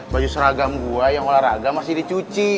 baju seragam gua yang olahraga masih dicuci